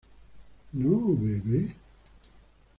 ¿no bebe?